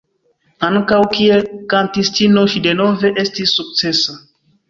Ankaŭ kiel kantistino ŝi denove estis sukcesa.